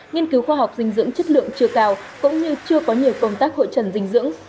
nghiên cứu khoa học dinh dưỡng chất lượng chưa cao cũng như chưa có nhiều công tác hội trần dinh dưỡng